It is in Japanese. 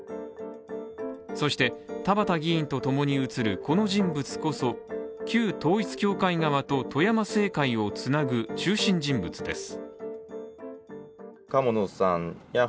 そして田畑議員とともに写るこの人物こそ旧統一教会側と富山政界をつなぐ中心人物です